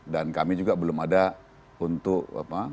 dan kami juga belum ada untuk apa